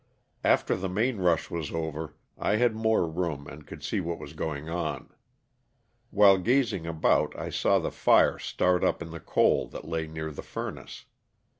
After the main rush was over I had more room and could see what was going on. While gazing about I saw the fire start up in the coal that lay near the furnace.